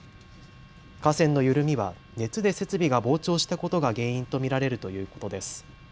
架線の緩みは熱で設備が膨張したことが原因と見られるということです。